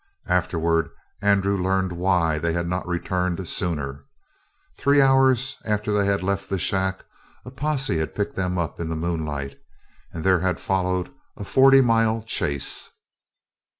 Afterward Andrew learned why they had not returned sooner. Three hours after they left the shack a posse had picked them up in the moonlight, and there had followed a forty mile chase.